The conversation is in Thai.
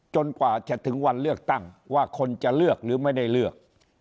กว่าจะถึงวันเลือกตั้งว่าคนจะเลือกหรือไม่ได้เลือก